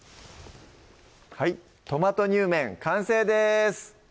はい「トマトにゅうめん」完成です